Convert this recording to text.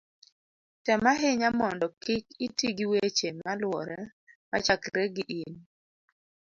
tem ahinya mondo kik iti gi weche maluwore machakre gi in